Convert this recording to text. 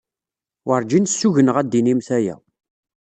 Werǧin ssugneɣ ad d-tinimt aya.